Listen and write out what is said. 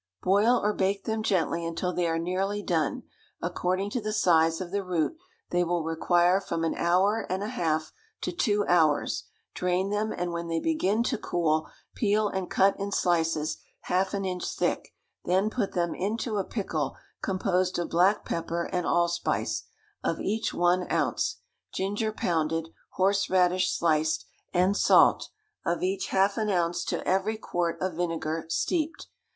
Boil or bake them gently until they are nearly done; according to the size of the root they will require from an hour and a half to two hours; drain them, and when they begin to cool, peel and cut in slices half an inch thick, then put them into a pickle composed of black pepper and allspice, of each one ounce; ginger pounded, horseradish sliced, and salt, of each half an ounce to every quart of vinegar, steeped.